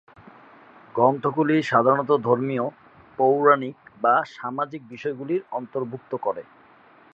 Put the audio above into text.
গ্রন্থগুলি সাধারণত ধর্মীয়, পৌরাণিক বা সামাজিক বিষয়গুলি অন্তর্ভুক্ত করে।